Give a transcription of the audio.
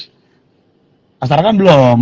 nah sekarang kan belum